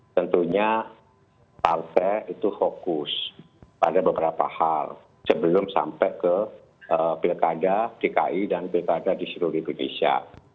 tentunya partai itu fokus pada beberapa hal sebelum sampai ke pilkada dki dan pilkada di seluruh indonesia